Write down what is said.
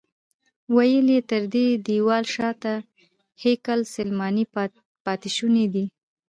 ویل یې تر دې دیوال شاته د هیکل سلیماني پاتې شوني دي.